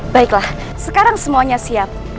baiklah sekarang semuanya siap